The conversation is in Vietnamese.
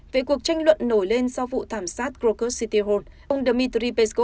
về cuộc tranh luận nổi lên sau vụ thảm sát groker city hall